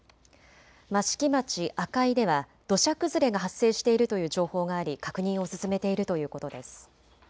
益城町赤井では土砂崩れが発生しているという情報があり確認を進めているということです。